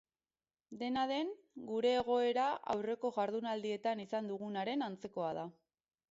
Dena den, gure egoera aurreko jarduenaldietan izan dugunaren antzekoa da.